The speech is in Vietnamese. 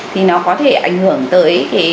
thì nó có thể ảnh hưởng tới